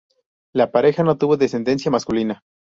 La pareja no tuvo descendencia masculina.